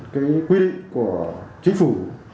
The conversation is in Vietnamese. cái quy định của chính phủ